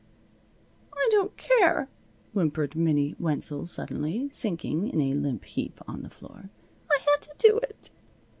"I don't care," whimpered Minnie Wenzel suddenly, sinking in a limp heap on the floor. "I had to do it.